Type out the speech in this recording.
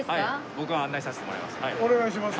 僕が案内させてもらいます。